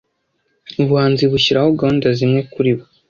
ubuhanzi bushyiraho gahunda zimwe kuri bo